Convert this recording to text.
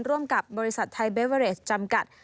ร่วมกับบริษัทไทยเบเวอเรสจำกัด